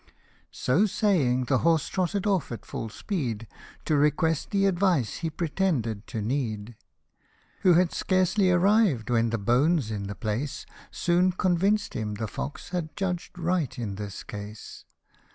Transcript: So saying, the horse trotted off at full speed, To request the advice he pretended to need ; Who had scarcely arrived, when the bones in the place Soon convinced him the fox had judged right in this case.